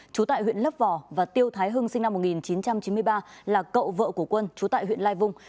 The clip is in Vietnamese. trú tại huyện lấp vò và tiêu thái hưng sinh năm một nghìn chín trăm chín mươi ba là cậu vợ của quân chú tại huyện lai vung